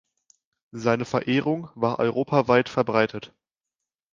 Seine Verehrung war europaweit verbreitet.